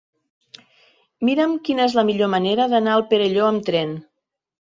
Mira'm quina és la millor manera d'anar al Perelló amb tren.